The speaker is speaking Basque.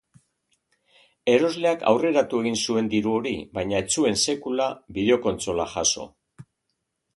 Erosleak aurreratu egin zuen diru hori, baina ez zuen sekula bideo-kontsola jaso.